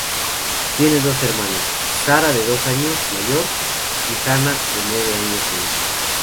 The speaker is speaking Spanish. Tiene dos hermanas: Sarah, dos años mayor y Hannah, nueve años menor.